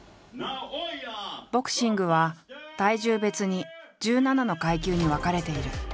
ボクシングは体重別に１７の階級に分かれている。